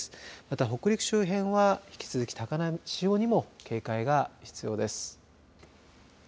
また、北陸周辺は引き続き高潮にも警戒が必要です。